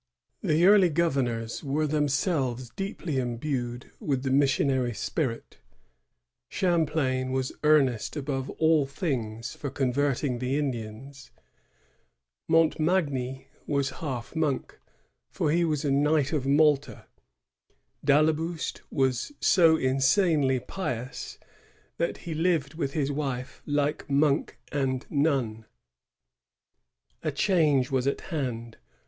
The early governors were themselves deeply imbued with the missionaiy spirit. Champlain was earnest above all things for convert* ing tiie Indians; Montmagny was half monk, for he was a Knight of Malta; d'Ailleboustwas so insanely/ pious that he lived with his wife like monk and nun. A change was at hand.